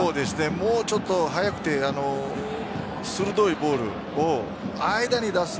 もうちょっと速くて鋭いボールを間に出す。